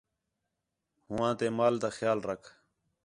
ہو ہاں تے مال تا خیال رکھ